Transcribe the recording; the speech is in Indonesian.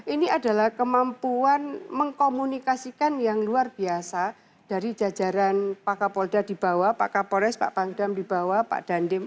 ini adalah kemampuan mengkomunikasikan yang luar biasa dari jajaran pak kapolda di bawah pak kapolres pak pangdam di bawah pak dandim